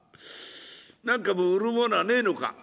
何かもう売る物はねえのか」。